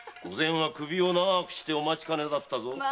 御前は首を長くしてお待ちかねだったぞ。